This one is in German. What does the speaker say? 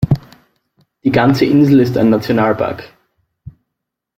Die ganze Insel ist ein Nationalpark.